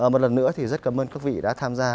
một lần nữa thì rất cảm ơn các vị đã tham gia